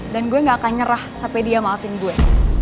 dan gue gak akan nyerah sampe dia maafin gue